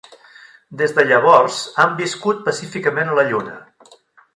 Des de llavors han viscut pacíficament a la lluna.